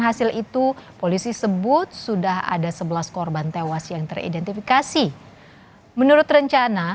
hasil itu polisi sebut sudah ada sebelas korban tewas yang teridentifikasi menurut rencana